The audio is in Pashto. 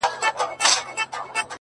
زما خو ټوله زنده گي توره ده ـ